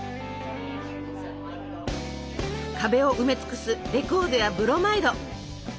壁を埋め尽くすレコードやブロマイド。